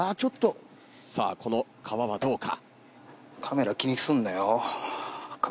さあこの皮はどうか。